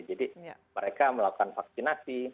jadi mereka melakukan vaksinasi